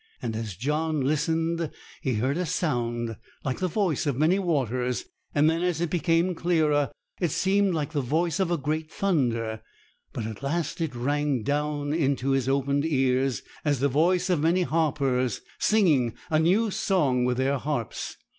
And as John listened, he heard a sound like the voice of many waters; then, as it became clearer, it seemed like the voice of a great thunder; but at last it rang down into his opened ears as the voice of many harpers, singing a new song with their harps.